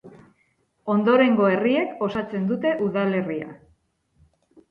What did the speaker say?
Ondorengo herriek osatzen dute udalerria.